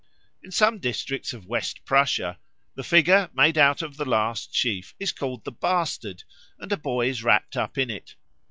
In some districts of West Prussia the figure made out of the last sheaf is called the Bastard, and a boy is wrapt up in it.